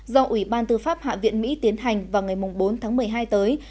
do ủy ban tư pháp hạ viện mỹ tiến hành vào ngày bốn tháng một mươi hai tới